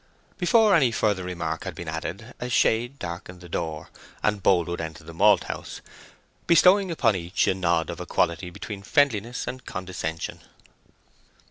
Before any further remark had been added a shade darkened the door, and Boldwood entered the malthouse, bestowing upon each a nod of a quality between friendliness and condescension.